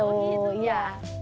oh gitu ya